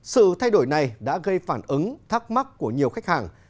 sự thay đổi này đã gây phản ứng thắc mắc của nhiều khách hàng